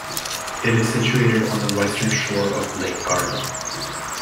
It is situated on the western shore of Lake Garda.